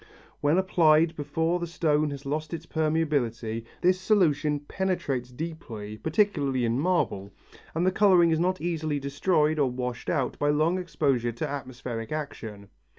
When applied before the stone has lost its permeability, this solution penetrates deeply, particularly in marble, and the colouring is not easily destroyed or washed out by long exposure to atmospheric action.